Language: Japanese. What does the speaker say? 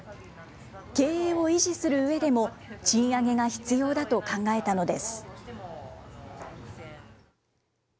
経営を維持するうえでも、賃上げが必要だと考えたのです。